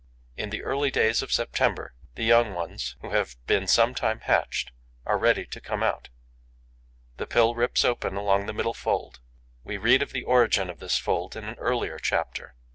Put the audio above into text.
In the early days of September, the young ones, who have been some time hatched, are ready to come out. The pill rips open along the middle fold. We read of the origin of this fold in an earlier chapter.